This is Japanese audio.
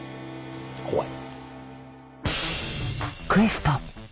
怖い。